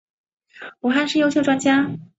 武汉市优秀专家。